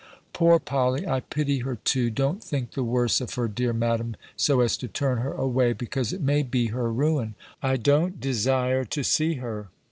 "Poor Polley! I pity her too. Don't thinke the worse of her, deare Madam, so as to turn her away, because it may bee her ruin. I don't desire too see her.